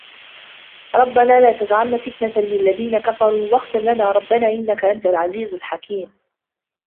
ربنا لا تجعلنا فتنة للذين كفروا واغفر لنا ربنا إنك أنت العزيز الحكيم